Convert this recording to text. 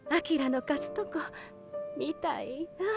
翔の勝つとこ見たいなあ。